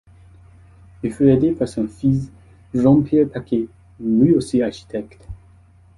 Il fut aidé par son fils Jean-Pierre Paquet, lui aussi architecte.